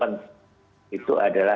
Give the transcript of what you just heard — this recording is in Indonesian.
yang sudah datang